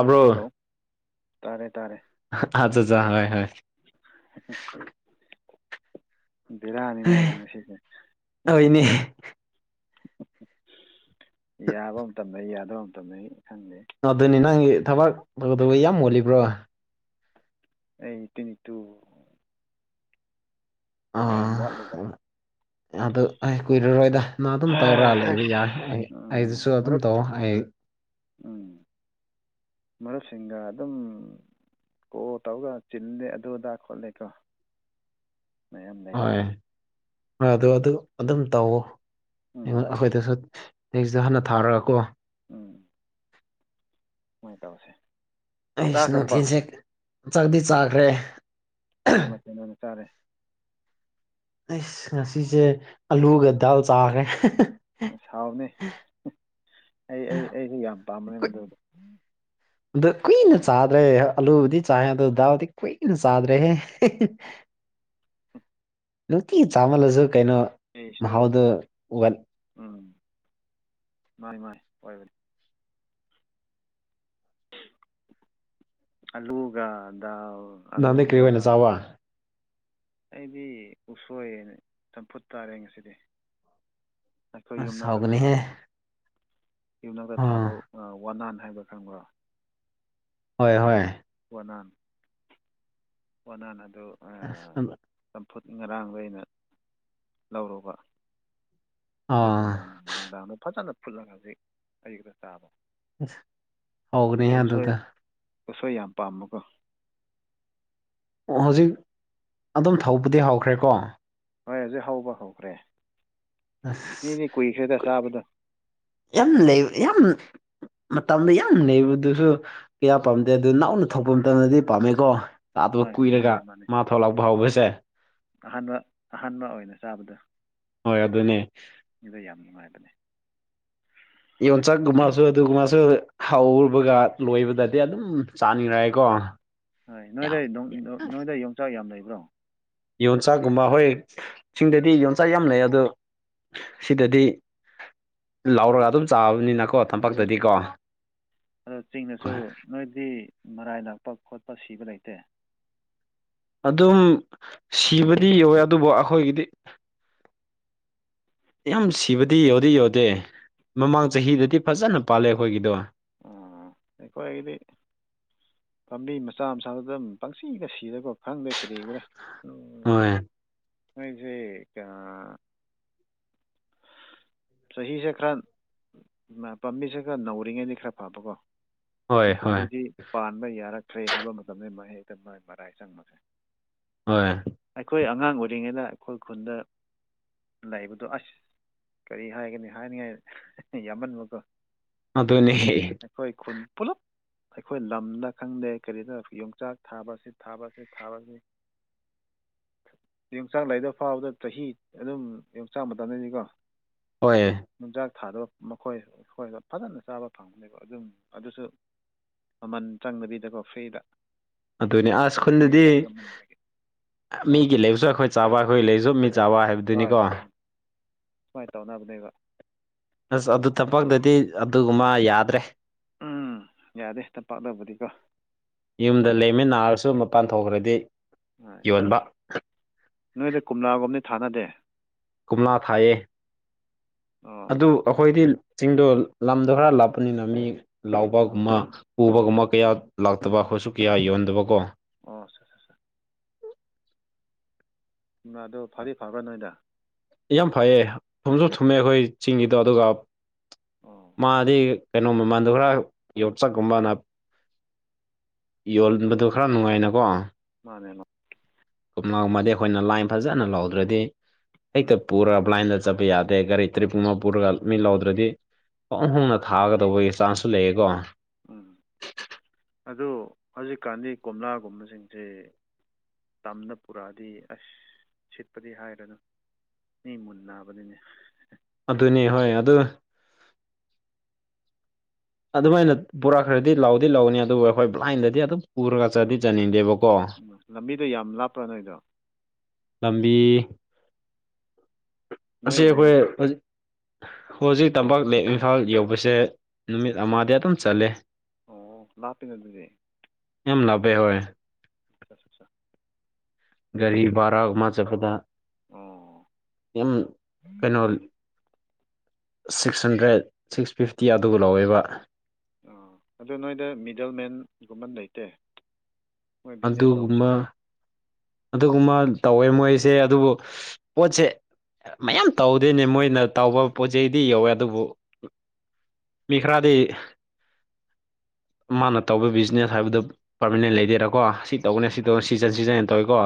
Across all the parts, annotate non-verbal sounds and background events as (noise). ꯎꯝ hello ꯇꯥꯔꯦ ꯇꯥꯔꯦ (unintelligible) ꯕꯦꯔꯥꯅꯤꯅꯦ ꯅꯪꯁꯤ ꯍꯣꯏꯅꯦ (unintelligible) ꯌꯥꯕ ꯃꯇꯝ ꯂꯩ ꯌꯥꯗꯕ ꯃꯇꯝ ꯂꯩ ꯈꯪꯗꯦ (unintelligible) ꯅꯪꯒꯤ ꯊꯕꯛ ꯇꯧꯗꯧꯕ ꯌꯥꯝ ꯃꯣꯜꯂꯤꯕ꯭ꯔꯣ ꯑꯩ (unintelligible) ꯇꯨ ꯑꯥ ꯋꯌꯝ ꯋꯥꯠꯂꯤꯗ ꯑꯗꯨ ꯑꯥꯢ ꯀꯨꯏꯔꯔꯣꯏꯗ ꯅ ꯑꯗꯨꯝ ꯇꯧꯔ ꯂꯩꯕ ꯑꯁ ꯌꯥꯏ ꯑꯩ ꯑꯩꯗꯨꯁꯨ ꯎꯝ ꯑꯗꯨꯝ ꯃꯔꯨꯞ ꯇꯧ ꯑꯩ ꯎꯝ ꯃꯔꯨꯞꯁꯤꯡꯒ ꯑꯗꯨꯝ ꯀꯣ ꯇꯧꯔꯒ ꯆꯤꯟꯂꯦ ꯑꯗꯨ ꯑꯗꯥ ꯈꯣꯠꯂꯦꯀꯣ ꯃꯌꯥꯝ ꯂꯩꯕ ꯍꯣꯏ (unintelligible) ꯑꯗꯨ ꯑꯗꯨꯝ ꯇꯧꯋꯣ ꯎꯝ ꯑꯩꯉꯣꯟ ꯑꯩꯈꯣꯏꯗꯁꯨ (unintelligible) ꯍꯟꯅ ꯊꯥꯔꯀꯣ ꯎꯝ (unintelligible) ꯇꯧꯁꯦ ꯑꯩꯁ ꯆꯥꯈ꯭ꯔꯕꯣ ꯅꯣꯊꯤꯟꯁꯦ ꯆꯥꯛꯗꯤ ꯆꯥꯈ꯭ꯔꯦ ꯀꯔꯤ ꯃꯊꯦꯜ ꯑꯣꯏꯅ ꯆꯥꯔꯦ ꯑꯩꯁ ꯉꯁꯤꯁꯦ ꯑꯂꯨꯒ ꯗꯥꯜ ꯆꯥꯈ꯭ꯔꯦ (unintelligible) ꯑꯩ ꯑꯩ ꯑꯩꯗꯤ ꯌꯥꯝ ꯄꯥꯝꯕꯅꯦ ꯃꯗꯨ ꯑꯗꯨ ꯀꯨꯏꯅ ꯆꯥꯗ꯭ꯔꯦ ꯑꯥꯂꯨꯕꯨꯗꯤ ꯆꯥꯏ ꯑꯗꯨ ꯗꯥꯜꯗꯤ ꯀꯨꯏꯅ ꯆꯥꯗ꯭ꯔꯦꯍꯦ (inaudible) ꯅꯨꯡꯇꯤ ꯆꯥꯃꯜꯂꯁꯨ ꯀꯩꯅꯣ ꯑꯩꯁꯨ ꯃꯍꯥꯎꯗꯣ ꯋꯥꯠ ꯎꯝ ꯃꯥꯥꯏ ꯃꯥꯥꯏ ꯑꯣꯏ (unintelligible) ꯑꯂꯨꯒ ꯗꯥꯜ ꯅꯍꯥꯟꯗꯩ ꯀ꯭ꯔꯤ ꯑꯂꯨꯒ ꯑꯣꯏꯅ ꯆꯥꯕ ꯑꯩꯗꯤ ꯎꯁꯣꯏ ꯆꯝꯐꯨꯠ ꯇꯥꯔꯦ ꯉꯁꯤꯗꯤ ꯑꯩꯈꯣꯏ ꯑꯁ ꯌꯨꯝꯅꯥꯛꯇ ꯍꯥꯎꯒꯅꯤꯍꯦ ꯊꯥꯕꯀꯣ ꯌꯨꯝꯅꯥꯛꯇ ꯑꯥ ꯊꯥꯕ ꯑ ꯋꯥꯟꯅꯥꯟ ꯍꯥꯏꯕ ꯈꯪꯕ꯭ꯔ ꯍꯣꯏ ꯍꯣꯏ ꯋꯥꯅꯥꯟ ꯋꯥꯅꯥꯟ ꯑꯗꯨ (unintelligible) ꯆꯝꯐꯨꯠ ꯉꯔꯥꯡꯗ ꯑꯩꯅ ꯂꯧꯔꯨꯕ (unintelligible) ꯑꯥ ꯅꯨꯡꯗꯥꯡ ꯅꯨꯡꯗꯥꯡꯗ ꯐꯖꯅ ꯐꯨꯠꯂꯒ ꯍꯖꯤꯛ ꯑꯩ (unintelligible) ꯆꯥꯕ ꯑꯩꯁꯦ ꯍꯧꯒꯅꯤꯍꯦ ꯎꯁꯣꯏ ꯑꯗꯨꯗ ꯎꯁꯣꯏ ꯌꯥꯝ ꯄꯥꯝꯕꯀꯣ ꯑꯣ ꯍꯧꯖꯤꯛ ꯑꯗꯨꯝ ꯊꯧꯕꯗꯤ ꯍꯧꯈ꯭ꯔꯦꯀꯣ ꯍꯣꯏ ꯍꯧꯖꯤꯛ ꯍꯧꯕ ꯍꯧꯈ꯭ꯔꯦ ꯑꯁ ꯃꯤꯗꯤ ꯀꯨꯏꯈ꯭ꯔꯦꯗ ꯆꯥꯕꯗꯣ ꯌꯥꯝ ꯂꯩ ꯌꯥꯝ ꯃꯇꯝꯗ ꯌꯥꯝ ꯅꯩꯕꯗꯨꯁꯨ ꯀꯌꯥ ꯄꯥꯝꯗꯦ ꯑꯗꯨ ꯅꯥꯎꯅ ꯊꯣꯛꯄ ꯃꯇꯝꯗꯗꯤ ꯄꯥꯝꯃꯦꯀꯣ ꯇꯥꯗꯕ ꯍꯣꯏ ꯍꯣꯏ ꯀꯨꯏꯔꯒ ꯃꯥꯅꯦ ꯃꯥꯅꯦ ꯃꯥ ꯊꯣꯛꯂꯛꯄ ꯍꯧꯕꯁꯦ ꯑꯍꯥꯟꯕ ꯑꯍꯥꯟꯕ ꯑꯣꯏꯅ ꯆꯥꯕꯗ‌ꯣ ꯍꯣꯏ ꯑꯗꯨꯅꯦ ꯃꯤꯗ ꯌꯥꯝ ꯅꯨꯡꯉꯥꯏꯕꯅꯦ ꯌꯣꯟꯆꯥꯛꯀꯨꯝꯕꯁꯨ ꯑꯗꯨꯒꯨꯝꯕꯁꯨ ꯍꯧꯔꯕꯒ ꯂꯣꯏꯕꯗꯗꯤ ꯑꯗꯨꯝ ꯆꯥꯅꯤꯡꯔꯦꯀꯣ ꯍꯣꯏ ꯅꯣꯏꯗ ꯅꯣꯏꯗ ꯌꯣꯡꯆꯥꯛ ꯌꯥꯝ ꯂꯩꯕ꯭ꯔꯣ ꯌꯣꯟꯆꯥꯛꯒꯨꯝꯕ ꯍꯣꯏ ꯆꯤꯡꯗꯗꯤ ꯌꯣꯟꯆꯥꯛ ꯌꯥꯝ ꯂꯩ ꯑꯗꯣ ꯁꯤꯗꯗꯤ ꯂꯧꯔꯒ ꯑꯗꯨꯝ ꯆꯥꯕꯅꯤ ꯑꯗꯨ ꯑꯗꯣ ꯆꯤꯡꯅꯁꯨ ꯍꯣꯏ ꯅꯣꯏꯗꯤ ꯃꯔꯥꯏ ꯂꯥꯛꯄ ꯈꯣꯠꯄ ꯁꯤꯕ ꯂꯩꯇꯦ ꯑꯗꯨꯝ ꯁꯤꯕꯗꯤ ꯌꯧꯋꯦ ꯑꯗꯨꯕꯨ ꯑꯩꯈꯣꯏꯒꯤꯗꯤ ꯌꯥꯝ ꯁꯤꯕꯗꯤ ꯌꯎꯗꯗꯤ ꯌꯧꯗꯦ ꯃꯃꯥꯡ ꯆꯍꯤꯗꯗꯤ ꯐꯖꯅ ꯄꯥꯜꯂꯦ ꯑꯩꯈꯣꯏꯒꯤꯗꯣ ꯑꯥ ꯑꯩꯈꯣꯏꯒꯤꯗꯤ ꯄꯥꯝꯕꯤ ꯃꯆꯥ ꯃꯆꯥꯗꯨ ꯑꯗꯨꯝ ꯄꯪꯁꯤꯒ ꯁꯤꯔꯦꯀꯣ ꯈꯪꯗꯦ ꯀꯔꯤꯒꯤꯔ ꯍꯣꯏ ꯃꯣꯏꯁꯦ ꯀ ꯆꯍꯤꯁꯦ ꯈꯔ ꯄꯥꯝꯕꯤꯁꯦ ꯈꯔ ꯅꯧꯔꯤꯉꯩꯗꯤ ꯈꯔ ꯐꯕꯀꯣ ꯍꯣꯏ ꯍꯣꯏ ꯑꯗꯨꯗꯤ ꯄꯥꯟꯕ ꯌꯥꯔꯛꯇ꯭ꯔꯦ ꯍꯥꯏꯕ ꯃꯇꯝꯗ ꯃꯥ ꯍꯦꯛꯇ ꯃꯥꯏ ꯃꯔꯥꯏ ꯆꯪꯕꯁꯦ ꯍꯣꯏ ꯑꯩꯈꯣꯏ ꯑꯉꯥꯡ ꯑꯣꯏꯔꯤꯉꯩꯗ ꯑꯩꯈꯣꯏ ꯈꯨꯟꯗ ꯂꯩꯕꯗꯣ ꯑꯁ ꯀꯔꯤ ꯍꯥꯏꯒꯅꯤ ꯍꯥꯏꯅꯤꯡꯉꯥꯏ ꯌꯥꯝꯃꯟꯕꯀꯣ ꯑꯗꯨꯅꯤ ꯈꯣꯏꯈꯨꯟ ꯄꯨꯣꯂꯞ ꯑꯩꯈꯣꯏ ꯂꯝꯅ ꯈꯪꯗꯦ ꯀꯔꯤꯗ ꯌꯣꯡꯆꯥꯛ ꯊꯥꯕꯁꯤ ꯊꯥꯕꯁꯤ ꯊꯥꯕꯁꯤ ꯌꯣꯡꯆꯥꯛ ꯂꯩꯗ ꯐꯥꯕꯗ ꯆꯍꯤ ꯑꯗꯨꯝ ꯌꯣꯡꯆꯥꯛ ꯃꯇꯝꯗꯅꯤꯀꯣ ꯍꯣꯏ ꯌꯣꯡꯆꯥꯛ ꯊꯥꯗꯕ ꯃꯈꯣꯏ ꯑꯩꯈꯣꯏꯗ ꯐꯖꯅ ꯆꯥꯕ ꯐꯪꯕꯅꯦꯕ ꯑꯗꯨꯝ ꯑꯗꯨꯁꯨ ꯃꯃꯟ ꯆꯪꯗꯕꯤꯗꯀꯣ ꯐ꯭ꯔꯤꯗ ꯑꯗꯨꯅꯦ ꯑꯁ ꯈꯨꯟꯗꯗꯤ ꯌꯣꯡꯆꯥꯛ ꯌꯣꯟꯃꯟꯕꯒꯤ ꯍꯣꯏ ꯃꯤꯒꯤ ꯂꯩꯕꯁꯨ ꯑꯩꯈꯣꯏ ꯆꯥꯕ ꯑꯩꯈꯣꯏꯒꯤ ꯂꯩꯕꯁꯨ ꯃꯤ ꯆꯥꯕ ꯍꯥꯏꯕꯗꯨꯅꯤꯀꯣ ꯁꯨꯃꯥꯏꯅ ꯇꯧꯅꯕꯅꯦꯕ ꯑꯁ ꯑꯗꯨ ꯊꯄꯗꯗꯤ ꯑꯗꯨꯒꯨꯝꯕ ꯌꯥꯗ꯭ꯔꯦ ꯎꯝ ꯌꯥꯗꯦ ꯊꯄꯥꯛꯇꯕꯨꯗꯤꯀꯣ ꯌꯨꯝꯗ ꯂꯩꯃꯤ ꯅꯥꯔꯁꯨ ꯃꯄꯥꯟ ꯊꯣꯛꯈ꯭ꯔꯗꯤ ꯍꯣꯏ ꯌꯣꯟꯕ ꯅꯣꯏꯗ ꯀꯣꯝꯂꯥꯒꯣꯝꯗꯤ ꯊꯥꯅꯗꯦ ꯀꯨꯝꯂ ꯊꯥꯏꯌꯦ ꯑꯣ ꯑꯗꯨ ꯑꯩꯈꯣꯏꯗꯤ ꯆꯤꯡꯗꯣ ꯂꯝꯗꯣ ꯈꯔ ꯂꯥꯞꯄꯅꯤꯅ ꯃꯤ ꯑꯣ ꯂꯥꯎꯕꯒꯨꯝꯕ ꯎꯕꯒꯨꯝꯕ ꯀꯌꯥ ꯂꯥꯛꯇꯕ ꯍꯣꯠꯁꯨ ꯀꯌꯥ ꯌꯣꯟꯗꯕ ꯀꯣ ꯑꯣ ꯑꯆꯥ ꯑ ꯀꯨꯝꯂꯥꯗ‌ꯣ ꯐꯗꯤ ꯐꯥꯕ꯭ꯔꯥ ꯅꯣꯏꯗ ꯌꯥꯝ ꯐꯩꯌꯦ ꯊꯨꯝꯁꯨ ꯊꯨꯝꯃꯦ ꯑꯩꯈꯣꯏ ꯆꯤꯡꯒꯤꯗꯣ ꯑꯗꯨꯒ ꯑꯣ ꯃꯥꯗꯤ ꯀꯩꯅꯣ ꯃꯃꯥꯟꯗ ꯈꯔ ꯌꯣꯠꯆꯛꯀꯨꯝꯕꯅ ꯌꯣꯟꯕꯗꯣ ꯈꯔ ꯅꯨꯡꯉꯥꯏꯅꯀꯣ ꯃꯥꯅꯦ ꯃꯥ ꯀꯨꯝꯂꯒꯨꯝꯃꯗꯤ ꯑꯩꯈꯣꯏꯅ ꯂꯥꯏꯟ ꯐꯖꯅ ꯂꯧꯗ꯭ꯔꯗꯤ ꯍꯦꯛꯇ ꯎꯝ ꯄꯨꯔꯒ ꯕ꯭ꯂꯥꯏꯟꯗ ꯆꯠꯄ ꯌꯥꯗꯦ ꯒꯥꯔꯤ ꯇꯔꯤꯞ ꯑꯃ ꯄꯨꯔꯒ ꯃꯤ ꯂꯧꯗ꯭ꯔꯗꯤ ꯄꯪꯍꯣꯡꯅ ꯊꯥꯒꯗꯧꯕꯒꯤ ꯆꯥꯟꯁꯁꯨ ꯂꯩꯌꯦꯀꯣ ꯎꯝ ꯑꯗꯨ ꯍꯧꯖꯤꯛꯀꯥꯟꯗꯤ ꯀꯣꯝꯂꯥꯒꯨꯝꯕꯁꯤꯡꯁꯦ ꯇꯝꯅ ꯄꯨꯔꯛꯑꯗꯤ ꯑꯁ ꯁꯤꯠꯄꯗꯤ ꯍꯥꯏꯔꯅꯨ ꯃꯤ ꯃꯨꯟꯅꯕꯅꯤꯅꯦ ꯑꯗꯨꯅꯦ ꯍꯣꯏ ꯑꯗꯨ ꯑꯗꯨꯃꯥꯏꯅ ꯄꯨꯔꯛꯈ꯭ꯔꯗꯤ ꯂꯥꯎꯗꯤ ꯂꯧꯎꯅꯤ ꯑꯗꯨꯕꯨ ꯑꯩꯈꯣꯏ ꯎꯝ ꯕ꯭ꯂꯥꯏꯟꯗꯗꯤ ꯑꯗꯨꯝ ꯄꯨꯔꯒ ꯆꯠꯗꯤ ꯆꯠꯅꯤꯡꯗꯦꯕꯀꯣ ꯎꯝ ꯂꯝꯕꯤꯗꯣ ꯌꯥꯝ ꯂꯥꯞꯄ꯭ꯔꯥ ꯅꯣꯏꯗꯣ ꯂꯝꯕꯤ ꯑꯁꯤ ꯅꯣꯏ ꯂꯩ ꯑꯩꯈꯣꯏ ꯍꯧꯖꯤꯛ ꯇꯝꯄꯥꯛ ꯂꯦꯛ ꯏꯝꯐꯥꯜ ꯌꯧꯕꯁꯦ ꯅꯨꯃꯤꯠ ꯑꯃꯗꯤ ꯑꯗꯨꯝ ꯆꯠꯂꯦ ꯑꯣ ꯂꯥꯞꯄꯤꯅꯦ ꯑꯗꯨꯗꯤ ꯌꯥꯝ ꯂꯥꯞꯕꯦ ꯍꯣꯏ ꯑꯆꯥꯆꯥ ꯒꯥꯔꯤ ꯚꯔꯥ ꯑꯃ ꯆꯠꯄꯗ ꯑꯣ ꯌꯥꯝ ꯀꯩꯅꯣ ꯁꯤꯛꯁ ꯍꯟꯗ꯭ꯔꯦꯠ ꯁꯤꯛꯁ ꯐꯤꯐꯇꯤ ꯑꯗꯨꯒ ꯂꯧꯋꯦꯕ ꯑꯥ ꯑꯗꯨ ꯅꯣꯏꯗ ꯃꯤꯗꯜ ꯃꯦꯟꯒꯨꯝꯕ ꯂꯩꯇꯦ ꯃꯣꯏ ꯕꯤꯖꯤꯅꯦꯁ ꯑꯗꯨꯒꯨꯝꯕ ꯇꯧꯕꯁꯤꯡ ꯑꯗꯨꯒꯨꯝꯕ ꯇꯧꯋꯦ ꯃꯣꯏꯁꯦ ꯑꯗꯨꯕꯨ ꯄꯣꯠꯁꯦ ꯃꯌꯥꯝ ꯇꯧꯗꯦꯅꯦ ꯃꯣꯏꯅ ꯇꯧꯕ ꯄꯣꯠ ꯆꯩꯗꯤ ꯌꯧꯋꯦ ꯑꯗꯨꯕꯨ ꯃꯤ ꯈ꯭ꯔꯗꯤ ꯃꯥꯅ ꯇꯧꯕ ꯕꯤꯖꯤꯅꯦꯁ ꯍꯥꯏꯕꯗꯨ ꯄꯔꯃꯅꯦꯟ ꯂꯩꯗꯦꯔꯥꯀꯣ ꯁꯤ ꯇꯧꯅꯦ ꯁꯤ ꯇꯧ ꯁꯤꯖꯟ ꯑꯣ ꯁꯤꯟꯅ ꯇꯧꯋꯦꯀꯣ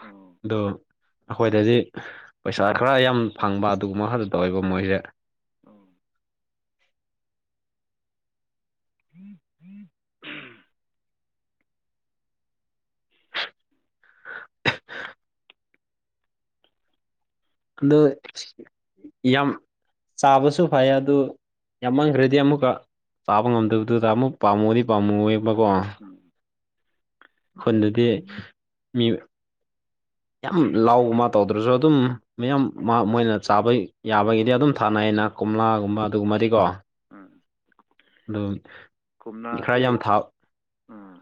ꯑꯣ ꯑꯩꯈꯣꯏꯗꯗꯤ ꯄꯩꯁꯥ ꯈꯔ ꯌꯥꯝ ꯐꯪꯕ ꯑꯗꯨꯒꯨꯝꯕ ꯈꯔ ꯇꯧꯋꯦꯕ ꯃꯣꯏꯁꯦ ꯑꯣ ꯎꯝ ꯎꯝ (inaudible) (inaudible) ꯑꯗꯨ ꯌꯥꯝ ꯆꯥꯕꯁꯨ ꯐꯩ ꯑꯗꯨ ꯌꯥꯝ ꯃꯥꯟꯈ꯭ꯔꯗꯤ ꯑꯃꯨꯛꯀ ꯆꯥꯕ ꯉꯝꯗꯕꯗꯨꯗ ꯑꯃꯨꯛ ꯄꯥꯝꯃꯨꯗꯤ ꯄꯥꯝꯃꯨꯕꯀꯣ ꯎꯝ ꯈꯨꯟꯗꯗꯤ ꯃꯤ (inaudible) ꯌꯥꯝ ꯂꯥꯎꯕ ꯃꯥ ꯇꯧꯗ꯭ꯔꯁꯨ ꯑꯗꯨꯝ ꯃꯌꯥꯝ ꯃꯣꯏꯅ ꯆꯥꯕ ꯌꯥꯕꯒꯤꯗꯤ ꯑꯗꯨꯝ ꯊꯥꯅꯩꯑꯩꯅ ꯀꯣꯝꯂꯥꯒꯨꯝꯕ ꯑꯗꯨꯒꯨꯝꯕꯗꯤꯀꯣ ꯎꯝ ꯑꯗꯨꯝ ꯈꯔ ꯀꯨꯝꯂꯥꯁꯤ ꯌꯥꯝ ꯊꯥ ꯎꯝ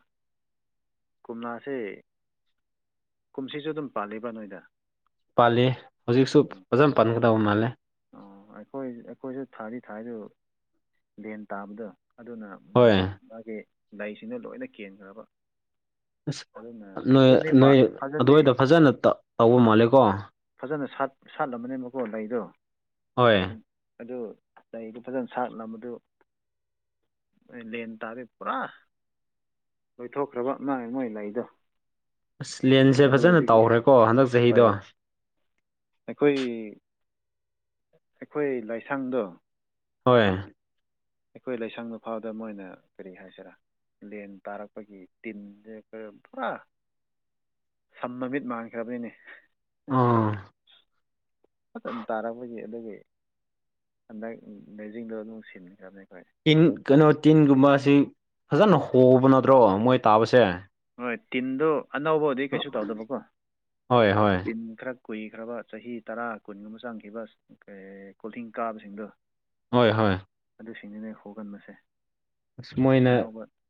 ꯀꯣꯝꯂꯥꯁꯦ ꯀꯨꯝꯁꯤꯁꯨ ꯑꯗꯨꯝ ꯄꯥꯜꯂꯤꯕ ꯅꯣꯏꯗ ꯄꯥꯜꯂꯤ ꯍꯧꯖꯤꯛꯁꯨ ꯐꯖꯅ ꯄꯥꯟꯒꯗꯧꯕ ꯃꯥꯜꯂꯦ ꯑꯣ ꯑꯩꯈꯣꯏ ꯑꯩꯈꯣꯏꯁꯨ ꯊꯥꯗꯤ ꯊꯥꯔꯤ ꯑꯗꯨ ꯂꯦꯟ ꯇꯥꯕꯗꯣ ꯑꯗꯨꯅ ꯍꯣꯏ ꯎꯝ ꯃꯥꯒꯤ ꯂꯩꯁꯤꯡꯗꯨ ꯂꯣꯏꯅ ꯀꯦꯟꯈ꯭ꯔꯕ ꯑꯁ ꯑꯗꯨꯅ ꯅꯣꯏ ꯐꯖꯅꯗꯤ ꯅꯣꯏ ꯐꯖꯅꯗꯤ ꯑꯗꯨꯋꯥꯏꯗ ꯐꯖꯅ ꯇꯧꯕ ꯃꯥꯜꯂꯦꯀꯣ ꯐꯖꯅ ꯁꯥꯠꯂꯝꯕꯅꯦꯕꯀꯣ ꯂꯩꯗꯣ ꯍꯣꯏ ꯑꯗꯨ ꯂꯩꯗꯨ ꯐꯖꯅ ꯁꯥꯠꯂꯝꯕꯗꯨ ꯂꯦꯟ ꯇꯥꯔꯦ ꯄꯨꯔꯥ ꯂꯣꯏꯊꯣꯛꯈ꯭ꯔꯕ ꯅꯥꯏ ꯃꯣꯏ ꯂꯩꯗꯣ ꯑꯁ ꯂꯦꯟꯁꯦ ꯑꯗꯨ ꯐꯖꯅ ꯑꯗꯨꯒꯤ ꯇꯧꯈ꯭ꯔꯦꯀꯣ ꯍꯟꯗꯛ ꯆꯍꯤꯗꯣ ꯍꯣꯏ ꯑꯩꯈꯣꯏ ꯑꯩꯈꯣꯏ ꯂꯥꯏꯁꯥꯡꯗꯣ ꯍꯣꯏ ꯑꯩꯈꯣꯏ ꯂꯩꯁꯥꯡ ꯃꯐꯥꯎꯗ ꯑꯃ ꯑꯣꯏꯅ ꯀꯔꯤ ꯍꯥꯏꯁꯤꯔꯥ ꯂꯦꯟ ꯇꯥꯔꯛꯄꯒꯤ ꯇꯤꯟꯁꯦ ꯀꯈ ꯄꯨꯔꯥ ꯁꯝ ꯃ ꯃꯤꯠ ꯃꯥꯟꯈ꯭ꯔꯕꯅꯤꯅꯦ ꯑꯥ ꯃꯇꯝ ꯇꯥꯔꯛꯄꯒꯤ ꯑꯗꯨꯒꯤ ꯍꯟꯗꯛ ꯂꯖꯤꯡꯗꯨꯣ ꯑꯗꯨꯝ ꯁꯤꯟꯈ꯭ꯔꯕꯅꯤ ꯑꯩꯈꯣꯏ ꯇꯤꯟ ꯀꯩꯅꯣ ꯇꯤꯟꯒꯨꯝꯕ ꯑꯁꯤ ꯐꯖꯅ ꯍꯣꯕ ꯅꯠꯇ꯭ꯔꯣ ꯃꯣꯏ ꯇꯥꯕꯁꯦ ꯍꯣꯏ ꯇꯤꯟꯗ ꯑꯅꯧꯕꯗꯤ ꯀꯩꯁꯨ ꯇꯧꯗꯕꯀꯣ ꯍꯣꯏ ꯍꯣꯏ ꯇꯤꯟ ꯈꯔ ꯀꯨꯏꯈ꯭ꯔꯕ ꯆꯍꯤ ꯇꯔꯥ ꯀꯨꯟꯒꯨꯝꯕ ꯆꯪꯈꯤꯕ ꯀ ꯀꯣꯜꯊꯡ ꯀꯥꯕꯁꯤꯡꯗꯣ ꯍꯣꯏ ꯍꯣꯏ ꯑꯗꯨꯁꯤꯡꯅꯤꯅꯦ ꯍꯣꯒꯟꯕꯁꯦ ꯑꯁ ꯃꯣꯏꯅ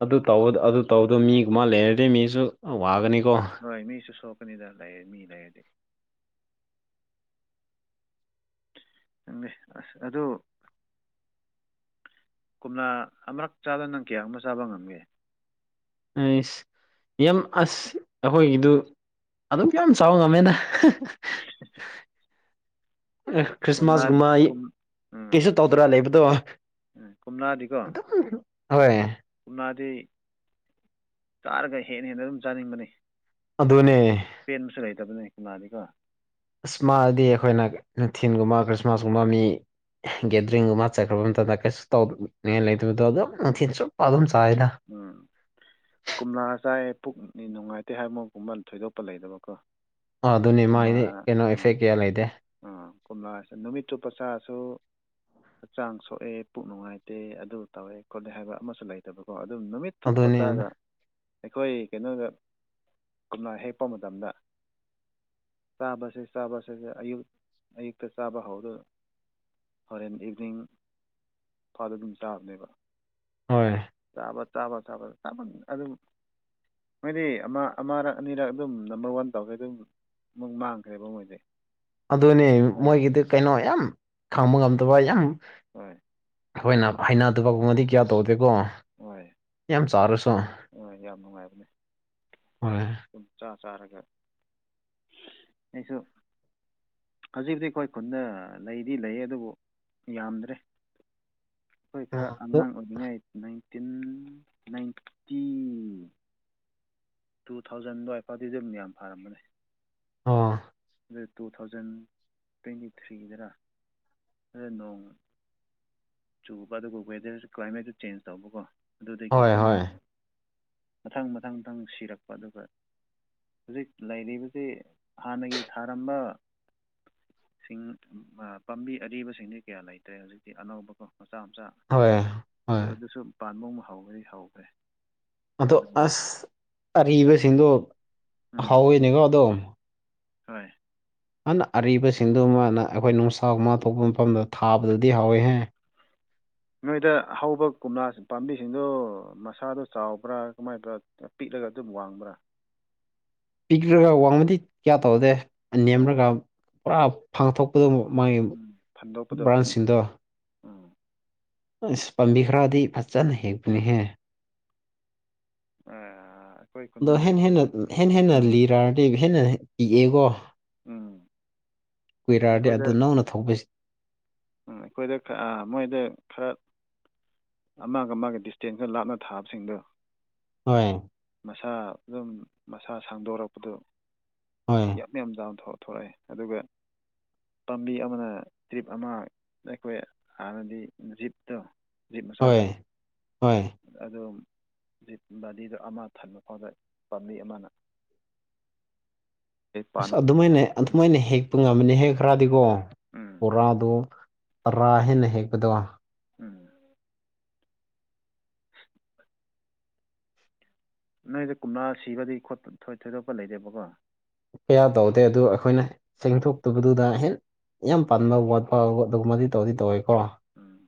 ꯑꯗꯨ ꯇ ꯑꯗꯨ ꯇꯧꯕꯗꯣ ꯃꯤꯒꯨꯝ ꯃꯥ ꯂꯩꯔꯗꯤ ꯃꯤꯁꯨ ꯋꯥꯒꯅꯤꯀꯣ ꯍꯣꯏ ꯃꯤꯁꯨ ꯁꯣꯛꯀꯅꯤꯗ ꯂꯩ ꯃꯤ ꯂꯩꯔꯗꯤ ꯈꯪꯗ‌ꯦ ꯑꯁ ꯑꯗꯨ ꯀꯨꯝꯅꯥ ꯑꯃꯔꯛ ꯆꯥꯗ ꯅꯪ ꯀꯌꯥ ꯑꯃ ꯆꯥꯕ ꯉꯝꯒꯦ ꯑꯩꯁ ꯌꯥꯝ ꯑꯁ ꯑꯩꯈꯣꯏꯒꯤꯗꯨ ꯑꯗꯨꯝꯛ ꯌꯥꯝ ꯆꯥꯎꯕ ꯉꯝꯃꯦꯅ ꯑꯁ ꯀꯣꯝꯂꯥ ꯈ꯭꯭ꯔꯔꯤꯁꯃꯥꯁ ꯒꯃꯥꯏ ꯀꯨꯝ ꯎꯝ ꯇꯧꯗꯔꯥ ꯂꯩꯕꯗꯣ ꯎꯝ ꯑꯗꯨꯝ ꯍꯣꯏ ꯎꯅꯥꯗꯤ ꯇꯥꯔꯒ ꯍꯦꯟꯅ ꯍꯦꯟꯅ ꯑꯗꯨꯝ ꯆꯥꯅꯤꯡꯕꯅꯤ ꯑꯗꯨꯅꯦ ꯄꯦꯟꯕꯁꯨ ꯂꯩꯇꯕꯅꯦ ꯀꯅꯥꯗꯤꯀꯣ ꯑ ꯃꯥꯗꯤ ꯑꯩꯈꯣꯏꯅ ꯅꯨꯡꯊꯤꯤꯟꯒꯨꯝꯕ ꯈ꯭ꯔꯤꯁꯃꯥꯁꯀꯨꯝꯕ ꯃꯤ ꯒꯦꯗꯔꯤꯡꯒꯨꯝꯕ ꯆꯠꯈ꯭ꯔꯕ ꯃꯇꯝꯗ ꯀꯩꯁꯨ ꯇꯧꯗꯅꯤꯡꯉꯥꯏ ꯂꯩꯇꯕꯗꯣ ꯑꯗꯨꯝ ꯅꯨꯡꯊꯤꯜ ꯆꯨꯞꯄ ꯑꯗꯨꯝ ꯆꯥꯏꯗ ꯎꯝ ꯀꯣꯝꯂꯥ ꯆꯥꯏ ꯄꯨꯛꯅꯤ ꯅꯨꯡꯉꯥꯏꯇꯦ ꯍꯥꯏꯕꯒꯨꯝꯕ ꯊꯣꯏꯗꯣꯛꯄ ꯂꯩꯗꯕꯀꯣ ꯑꯗꯨꯅꯦ ꯃꯥꯗꯤ ꯀꯩꯅꯣ ꯏꯐꯦꯛ ꯀꯌꯥ ꯂꯩꯇꯦ ꯑꯥ ꯀꯣꯝꯂꯥꯁꯤ ꯅꯨꯃꯤꯠꯇꯨ ꯆꯨꯞꯄ ꯆꯔꯁꯨ ꯍꯛꯆꯥꯡ ꯁꯣꯛꯑꯦ ꯄꯨꯛ ꯅꯨꯡꯉꯥꯏꯇꯦ ꯑꯗꯨ ꯇꯧꯋꯦ ꯈꯣꯠꯂꯦ ꯍꯥꯏꯕ ꯑꯃꯁꯨ ꯂꯩꯇꯕꯀꯣ ꯑꯗꯨꯝ ꯅꯨꯃꯤꯠ ꯑꯗꯨꯅꯤ ꯑꯗꯨ ꯑꯇꯣꯞꯄꯇꯥꯥꯒ ꯑꯩꯈꯣꯏ ꯀꯩꯅꯣꯗ ꯀꯝꯂ ꯍꯦꯛꯄ ꯃꯇꯝꯗ ꯆꯥꯕꯁꯦ ꯆꯥꯕꯁꯁꯦ ꯑꯌꯨꯛ ꯑꯌꯨꯛꯇ ꯆꯥꯕ ꯍꯧꯗ‌ꯣ ꯍꯣꯔꯦꯟ ꯏꯚꯅꯤꯡ ꯐꯥꯎꯗ ꯑꯗꯨꯝ ꯆꯥꯕꯅꯦꯕ ꯍꯣꯏ ꯆꯥꯕ ꯆꯥꯕ ꯆꯥꯕ ꯆꯥꯃꯟ ꯑꯗꯨꯝ ꯃꯣꯏꯗꯤ ꯑꯃ ꯑꯃꯔꯛ ꯑꯅꯤꯔꯛ ꯑꯗꯨꯝ ꯅꯝꯕꯔ ꯋꯥꯟ ꯇꯧꯈꯦ ꯑꯗꯨꯝ ꯃꯨꯛ ꯃꯥꯡꯈ꯭ꯔꯦꯕ ꯃꯣꯏꯗꯤ ꯑꯗꯨꯅꯦ ꯃꯣꯏ ꯃꯣꯏꯒꯤꯗꯤ ꯀꯩꯅꯣ ꯌꯥꯝ ꯈꯪꯕ ꯉꯝꯗꯕ ꯌꯥꯝ ꯍꯣꯏ ꯑꯩꯈꯣꯏꯅ ꯍꯩꯅꯗꯕꯒꯨꯡꯕꯗꯤ ꯀꯌꯥ ꯇꯧꯗꯦꯀꯣ ꯍꯣꯏ ꯌꯥꯝ ꯆꯥꯔꯁꯨ ꯍꯣꯏ ꯌꯥꯝ ꯅꯨꯡꯉꯥꯏꯕꯅꯦ ꯍꯣꯏ ꯁꯨꯝ ꯆꯥ ꯆꯥꯔꯒ ꯑꯩꯁꯨ ꯍꯧꯖꯤꯛ ꯍꯧꯤ ꯑꯩꯈꯣꯏ ꯈꯨꯟꯅ ꯂꯩꯗꯤ ꯂꯩ ꯑꯗꯨꯕꯨ ꯌꯥꯝꯗ꯭ꯔꯦ ꯑꯩꯈꯣꯏ ꯈꯔ ꯑꯉꯥꯡ ꯑꯣꯏꯔꯤꯉꯩ ꯅꯥꯏꯟꯇꯤꯟ ꯅꯥꯏꯟꯇꯤ ꯇꯨ ꯊꯥꯎꯖꯟ ꯑꯗꯨꯋꯥꯏꯐꯥꯎꯗꯤ ꯑꯗꯨꯝ ꯌꯥꯝ ꯐꯔꯝꯕꯅꯦ ꯑꯣ ꯑꯗꯨ ꯇꯨ ꯊꯥꯎꯖꯟ ꯇ꯭ꯋꯦꯟꯇꯤ ꯊ꯭ꯔꯤꯒꯤꯗꯔ ꯅꯣꯡ ꯆꯨꯕ ꯑꯗꯨꯒ ꯋꯦꯗꯔꯁꯨ ꯀ꯭ꯂꯥꯏꯃꯦꯠꯁꯨ ꯆꯦꯟꯖ ꯇꯧꯕꯀꯣ ꯑꯗꯨꯗꯒꯤ ꯍꯣꯏ ꯑꯗꯨꯝ ꯍꯣꯏ ꯃꯊꯪ ꯃꯊꯪ ꯃꯊꯪ ꯁꯤꯔꯛꯄ ꯑꯗꯨꯒ ꯍꯧꯖꯤꯛ ꯂꯩꯔꯤꯕꯁꯤ ꯍꯥꯟꯅꯒꯤ ꯊꯥꯔꯝꯕ ꯁꯤꯡ ꯄꯥꯝꯕꯤ ꯑꯔꯤꯕꯁꯤꯡꯗꯤ ꯀꯌꯥ ꯂꯩꯇ꯭ꯔꯦ ꯍꯧꯖꯤꯛꯇꯤ ꯑꯅꯧꯕꯀꫭ ꯃꯆꯥ ꯃꯆꯥ ꯍꯣꯏ ꯍꯣꯏ ꯑꯗꫭ ꯑꯗꯨꯁꯨ ꯄꯥꯟꯕ ꯑꯃꯨꯛ ꯍꯧꯈ꯭ꯔꯦ ꯍꯧꯈ꯭ꯔꯦ ꯑꯗꯣ ꯑꯗꯨꯕꯨ ꯑꯁ ꯑꯔꯤꯕꯁꯤꯡꯗꯣ ꯎꯝ ꯍꯥꯎꯋꯤꯅꯦꯀꯣ ꯑꯗꯣ ꯍꯣꯏ ꯑꯗꯨꯅ ꯑꯔꯤꯕꯁꯤꯡꯗꯨ ꯃꯥꯅ ꯑꯩꯈꯣꯏ ꯅꯨꯡꯁꯥꯒꯨꯝ ꯃꯥꯥ ꯊꯣꯛꯄ ꯃꯐꯝꯗ ꯊꯥꯕꯗꯗꯤ ꯍꯥꯎꯋꯦꯍꯦ ꯅꯣꯏꯗ ꯍꯧꯕ ꯀꯣꯝꯂꯥ ꯄꯥꯝꯕꯤꯁꯤꯡꯗꯣ ꯃꯁꯥꯗꯣ ꯆꯥꯎꯕ꯭ꯔꯥ ꯀꯃꯥꯏꯕ꯭ꯔꯥ (unintelligible) ꯄꯤꯛꯂꯒ ꯑꯗꯨꯝ ꯋꯥꯡꯕ꯭ꯔꯥ ꯄꯤꯛꯔꯒ ꯋꯥꯡꯕꯗꯤ ꯀꯌꯥ ꯇꯧꯗꯦ ꯅꯦꯝꯔꯒ ꯑꯣ ꯄꯨꯔꯥ ꯄꯥꯡꯊꯣꯛꯄꯗ ꯃꯥꯒꯤ ꯎꯝ ꯐꯟꯗꯣꯛꯄꯗꯣ ꯕ꯭ꯔꯥꯟꯁꯤꯡꯗꯣ ꯎꯝ ꯑꯁ ꯄꯥꯝꯕꯤ ꯈꯔꯗꯤ ꯐꯖꯅ ꯍꯦꯛꯄꯅꯤꯍꯦ ꯑꯥ ꯑꯗꯣ ꯍꯦꯟ ꯍꯦꯟꯅ ꯍꯦꯟ ꯍꯦꯟꯅ ꯂꯤꯔꯥꯑꯅꯤ ꯑꯩ ꯍꯦꯟꯅ ꯏꯤꯛꯑꯦꯀꯣ ꯎꯝ (unintelligible) ꯀꯨꯏꯔꯛꯑꯗꯤ ꯑꯩꯈꯣꯏꯗ ꯑꯗꯨ ꯅꯧꯅ ꯊꯧꯕꯁꯤ ꯎꯝ ꯑꯩꯈꯣꯏꯗ ꯃꯣꯏꯗ ꯈꯔ ꯑꯃꯒ ꯑꯃꯒ ꯗꯤꯁꯇꯦꯟꯁ ꯈꯔꯥ ꯂꯥꯞꯅ ꯊꯥꯕꯁꯤꯡꯗꯣ ꯍꫭꯏ ꯃꯁꯥ ꯑꯗꯨꯝ ꯃꯁꯥ ꯁꯥꯡꯗꯣꯔꯛꯄꯗꯨ ꯍꯣꯏ ꯌꯥꯝ ꯌꯥꯝ ꯆꯥꯎꯅ ꯊꯣꯛꯣꯔꯛꯑꯦ ꯑꯗꯨꯒ ꯄꯥꯝꯕꯤ ꯑꯃꯅ ꯇ꯭ꯔꯤꯞ ꯑꯃ ꯑꯩꯈꯣꯏ ꯍꯥꯟꯅꯗꯤ ꯖꯤꯞꯇꯣ ꯖꯤꯞ ꯍꯣꯏ ꯃꯆꯥꯗꯣ ꯍꯣꯏ ꯑꯗꯨ ꯖꯤꯠ ꯕꯥꯗꯤꯗꯣ ꯑꯃ ꯊꯟꯕ ꯐꯥꯎꯗ ꯄꯥꯝꯕꯤ ꯑꯃꯅ (inaudible) ꯍꯦꯛ ꯑꯁ ꯄꯥꯟꯕ ꯑꯗꯨꯃꯥꯏꯅ ꯑꯗꯨꯃꯥꯏꯅ ꯍꯦꯛꯄ ꯉꯝꯃꯅꯤ ꯍꯦꯛꯈ꯭ꯔꯗꯤꯀꯣ ꯎꯝ ꯕꫭꯔꯥꯗꯣ ꯇꯔꯥ ꯍꯦꯟꯅ ꯍꯦꯛꯄꯗꯣ ꯎꯝ (unintelligible) ꯅꯣꯏꯗ ꯀꯨꯝꯂꯥ ꯁꯤꯕꯗꯤ ꯊꯣꯏꯗꯣꯛꯄ ꯂꯩꯇ‌ꯦꯕꯀꯣ ꯀꯌꯥ ꯇꯧꯗꯦ ꯑꯗꯨ ꯑꯩꯈꯣꯏꯅ ꯎꯝ ꯁꯦꯡꯊꯣꯛꯇꯕꯗꯨꯗ ꯍꯦꯟ ꯌꯥꯝ ꯄꯥꯝꯅꯕ ꯋꯥꯠꯄ ꯑꯗꯨꯒꯨꯝꯕꯗꯤ ꯇꯧꯗꯤ ꯇꯧꯋꯦꯀꯣ ꯎꯝ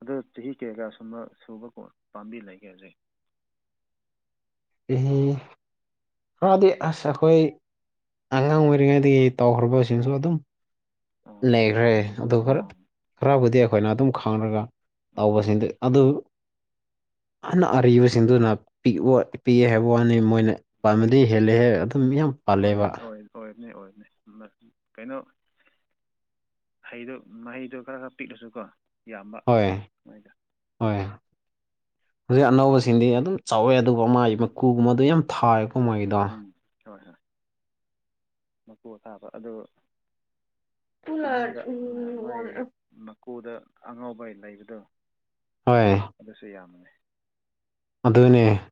ꯑꯗꯨ ꯆꯍꯤ ꯀꯌꯥ ꯀꯌꯥ ꯁꯨꯝꯕ ꯁꯨꯕ ꯄꯥꯝꯕꯤ ꯂꯩꯒꯦ ꯍꯧꯖꯤꯛ ꯆꯍꯤ ꯈꯔꯗꯤ ꯑꯁ ꯑꯩꯈꯣꯏ ꯑꯉꯥꯡ ꯑꯣꯏꯔꯤꯉꯩꯗꯒꯤ ꯇꯧꯈ꯭ꯔꯕꯁꯤꯡꯁꯨ ꯑꯗꯨꯝ ꯑꯣ ꯂꯩꯈ꯭ꯔꯦ ꯑꯗꯨꯒ ꯈꯔ ꯈꯔꯕꯨꯗꯤ ꯑꯩꯈꯣꯏꯅ ꯑꯗꯨꯝ ꯈꯪꯔꯒ ꯑꯣ ꯇꯧꯕꯁꯤꯡꯗꯤ ꯑꯗꯨ (unintelligible) ꯑꯅ (unintelligible) ꯑꯔꯤꯕ ꯁꯤꯗꯨꯨꯅ ꯄꯤꯛ ꯄꯤꯛꯑꯦ ꯍꯥꯏꯕ ꯋꯥꯅꯤ ꯃꯣꯏꯅ ꯄꯥꯟꯕꯥꯗꯤ ꯍꯦꯜꯂꯦꯍꯦꯛ ꯑꯗꯨꯝ ꯌꯥꯝ ꯑꯣꯏ ꯄꯥꯜꯂꯦꯕ ꯑꯣꯏ ꯑꯣꯏꯕꯅꯤ ꯑꯣꯏꯕꯅꯤ ꯀꯩꯅꯣ ꯍꯩꯗꯣ ꯃꯍꯩꯗꯣ ꯈꯔ ꯈꯔ ꯄꯤꯛꯂꯁꯨꯀꯣ ꯌꯥꯝꯕ ꯍꯣꯏ ꯍꯦꯟꯅ ꯅꯣꯏꯗ ꯍꯣꯏ ꯍꯧꯖꯤꯛ ꯑꯅꯧꯕꯁꯤꯡꯗꯤ ꯑꯗꯨꯝ ꯆꯥꯎꯋꯦ ꯑꯗꯨꯒ ꯃꯥꯒꯤ ꯃꯀꯨꯒꯨꯝꯕꯗ ꯌꯥꯝ ꯊꯥ ꯑꯛ ꯀꯨꯝꯍꯩꯗꯣ ꯎꯝ ꯍꯣꯏ ꯍꯣꯏ ꯃꯄꯨ ꯑꯊꯥꯕ ꯑꯗꯨ ꯃꯅꯨꯡꯗ ꯃꯣꯏ ꯃꯀꯨꯗ ꯑꯉꯧꯕ ꯂꯩꯕꯗꯣ ꯍꯣꯏ ꯑꯗꯨꯁꯨ ꯌꯥꯝꯅꯦ ꯑꯗꯨꯗꯨꯅꯦ